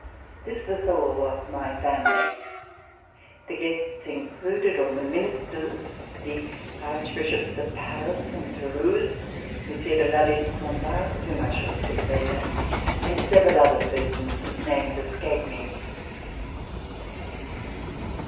This was all of my family. The guests included all the Ministers, the Archbishops of Paris and Toulouse, RECOLLECTIONS OF THE REVOLUTION Monsieur de Lally Tollendal, of whom I shall speak later, and several other persons whose names escape me.